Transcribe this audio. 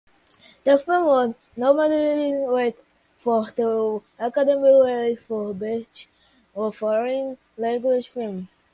The film was nominated for the Academy Award for Best Foreign Language Film.